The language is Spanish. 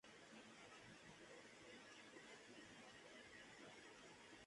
Esta escena fue interpretada por el niño-actor Marcos Sáez.